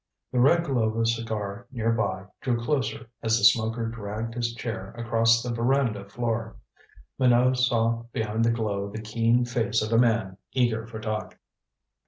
The red glow of a cigar near by drew closer as the smoker dragged his chair across the veranda floor. Minot saw behind the glow the keen face of a man eager for talk.